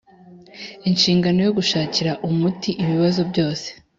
Inshingano yo gushakira umuti ibibazo byose